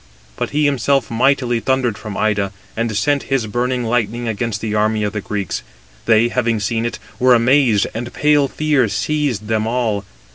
But he himself mightily thundered from Ida, and sent his burning lightning against the army of the Greeks: they having seen it, were amazed, and pale fear seized them all.